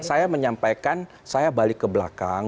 saya menyampaikan saya balik ke belakang